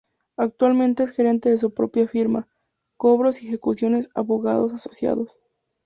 Actualmente es gerente de su propia firma "Cobros y Ejecuciones Abogados Asociados.